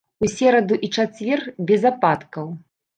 У сераду і чацвер без ападкаў.